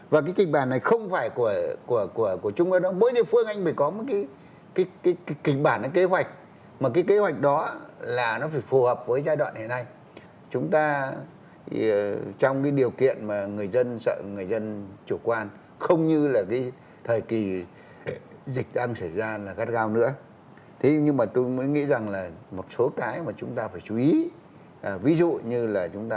và cái thứ ba đặc biệt người dân người dân chúng tôi nghĩ rằng không nên lươn lại chủ quan